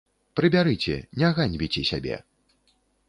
Прыбярыце, не ганьбіце сябе!